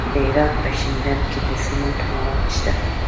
د هرات په شینډنډ کې د سمنټو مواد شته.